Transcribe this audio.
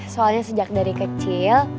soalnya sejak dari kecil